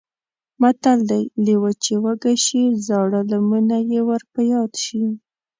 متل دی: لېوه چې وږی شي زاړه لمونه یې ور په یاد شي.